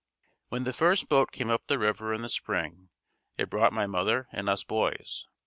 When the first boat came up the river in the spring it brought my mother and us boys.